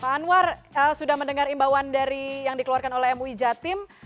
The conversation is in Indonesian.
pak anwar sudah mendengar imbauan dari yang dikeluarkan oleh mui jatim